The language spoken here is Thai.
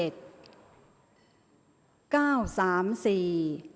ออกรางวัลที่๖